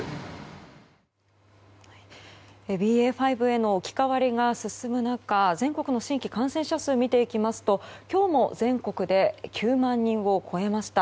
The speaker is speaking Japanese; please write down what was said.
ＢＡ．５への置き換わりが進む中全国の新規感染者数を見ていきますと今日も全国で９万人を超えました。